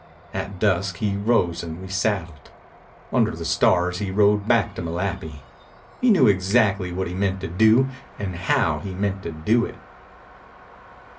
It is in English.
At dusk he rose and resaddled. Under the stars he rode back to Malapi. He knew exactly what he meant to do and how he meant to do it.